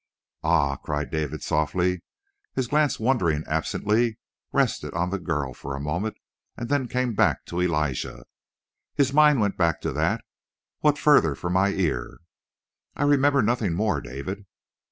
"Ah?" cried David softly. His glance, wandering absently, rested on the girl for a moment, and then came back to Elijah. "His mind went back to that? What further for my ear?" "I remember nothing more, David."